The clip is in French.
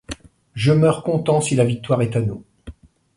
Je meurs content si la victoire est à nous.